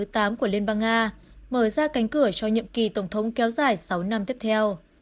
của liên bang nga mở ra cánh cửa cho nhiệm kỳ tổng thống kéo dài sáu năm tiếp theo